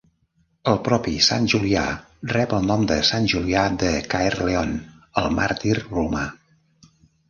El propi sant Julià rep el nom de Sant Julià de Caerleon, el màrtir romà.